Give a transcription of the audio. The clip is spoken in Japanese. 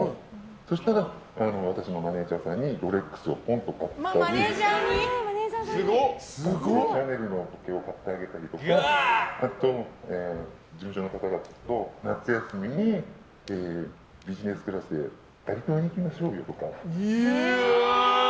そうしたらマネジャーさんにロレックスをぽんと買ったりシャネルを買ってあげたりとかあと、事務所の方たちと夏休みにビジネスクラスでバリ島に行きましょうとか。